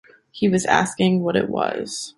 He was asking what it was.